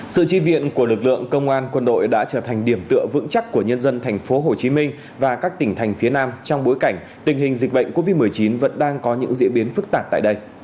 sự chi viện của lực lượng công an quân đội đã trở thành điểm tựa vững chắc của nhân dân thành phố hồ chí minh và các tỉnh thành phía nam trong bối cảnh tình hình dịch bệnh covid một mươi chín vẫn đang có những diễn biến phức tạp tại đây